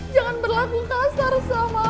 jangan berlaku kasar sama